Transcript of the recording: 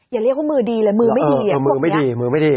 อย่าเรียกว่ามือดีเลยมือไม่ดีอ่ะมือไม่ดีมือไม่ดี